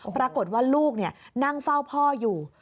ปรากฏว่าลูกนั่งเฝ้าพ่ออยู่